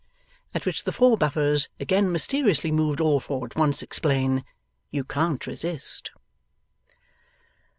At which the four Buffers, again mysteriously moved all four at once, explain, 'You can't resist!